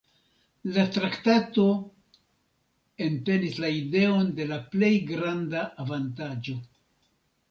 La traktato entenis la ideon de la plej granda avantaĝo.